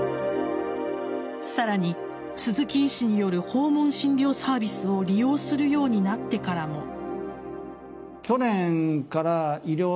さらに鈴木医師による訪問診療サービスを利用するようになってからも。